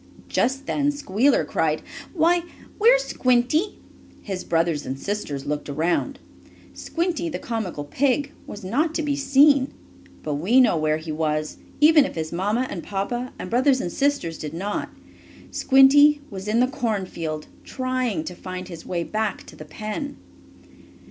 Just then Squealer cried: "Why, where's Squinty?" His brothers and sisters looked around. Squinty, the comical pig, was not to be seen. But we know where he was, even if his mamma and papa and brothers and sisters did not. Squinty was in the cornfield, trying to find his way back to the pen.